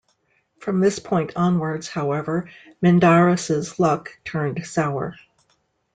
From this point onwards, however, Mindarus' luck turned sour.